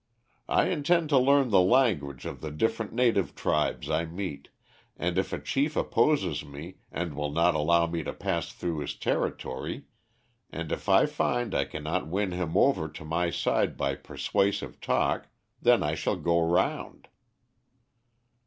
I intend to learn the language of the different native tribes I meet, and if a chief opposes me and will not allow me to pass through his territory, and if I find I cannot win him over to my side by persuasive talk, then I shall go round."